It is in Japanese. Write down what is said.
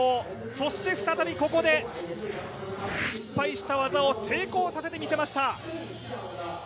そして、再びここで失敗した技を成功して見せました。